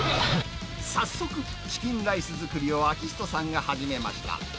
早速チキンライス作りを明人さんが始めました。